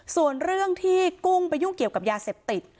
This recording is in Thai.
ส่วนเรื่องที่กุ้งไปยุ่งเกี่ยวกับยาเสพติด